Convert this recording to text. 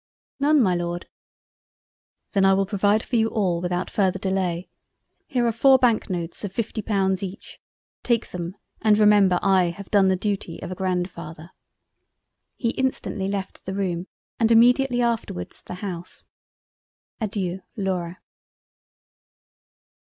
"None my Lord." "Then I will provide for you all without farther delay—Here are 4 Banknotes of 50£ each—Take them and remember I have done the Duty of a Grandfather." He instantly left the Room and immediately afterwards the House. Adeiu. Laura.